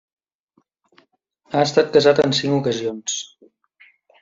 Ha estat casat en cinc ocasions.